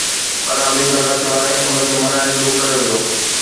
پر آمريڪا کان سواءِ ان کي ملهائڻ شروع ڪيو ويو